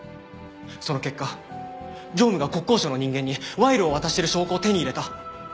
その結果常務が国交省の人間に賄賂を渡してる証拠を手に入れた。